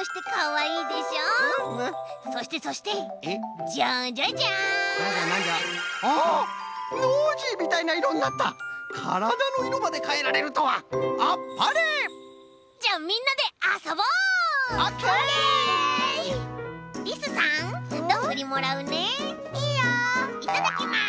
いただきます